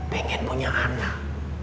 pengen punya anak